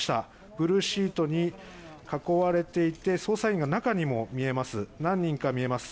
ブルーシートに囲われていて捜査員が中にも見えます。